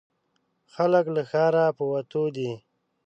خلک له ښاره په وتو دي.